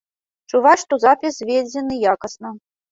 Чуваць, што запіс зведзены якасна.